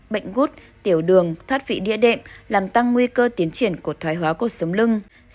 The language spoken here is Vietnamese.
bệnh gút tiểu đường thoát vị địa đệm làm tăng nguy cơ tiến triển của thoái hóa cuộc sống lưng